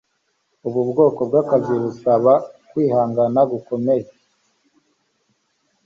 Ubu bwoko bwakazi busaba kwihangana gukomeye